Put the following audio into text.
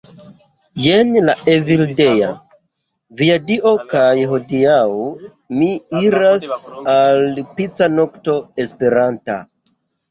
Jen Evildea. Via Dio. kaj hodiaŭ mi iras al pica nokto esperanta